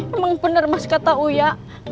emang bener mas kata uya